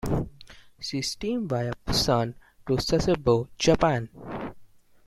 She steamed via Pusan to Sasebo, Japan.